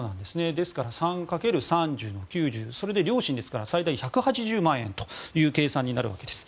ですから３×３０の９０それで最大１８０万円という計算になるわけです。